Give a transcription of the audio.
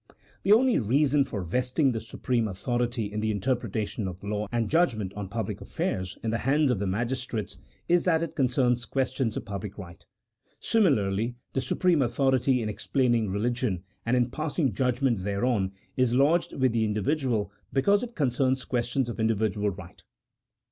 The only reason for vesting the supreme authority in the interpretation of law, and judgment on public affairs in the hands of the magistrates, is that it concerns questions of public right. Similarly the supreme authority in explaining religion, and in passing judgment thereon, is lodged with the individual because it concerns questions of individual right.